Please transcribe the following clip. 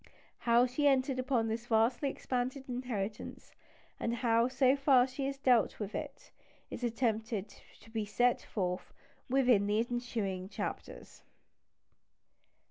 How she entered upon this vastly expanded inheritance, and how, so far, she has dealt with it, is attempted to be set forth in the ensuing chapters.